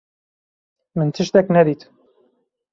Min tiştek nedît.